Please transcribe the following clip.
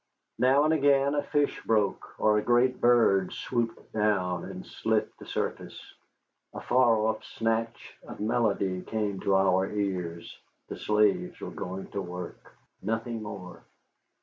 Now and again a fish broke, or a great bird swooped down and slit the surface. A far off snatch of melody came to our ears, the slaves were going to work. Nothing more.